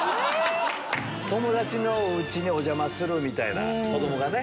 友達のお家にお邪魔するみたいな子供がね。